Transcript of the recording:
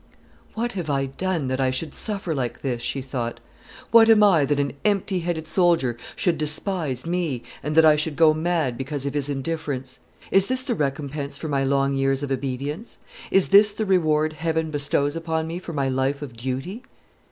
"What have I done that I should suffer like this?" she thought. "What am I that an empty headed soldier should despise me, and that I should go mad because of his indifference? Is this the recompense for my long years of obedience? Is this the reward Heaven bestows upon me for my life of duty!"